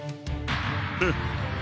フッ。